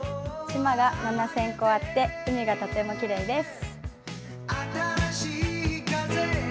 島が７０００個あって海がとてもきれいです。